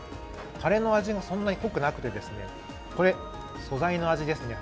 たれの味がそんなに濃くなくてこれ、素材の味ですね。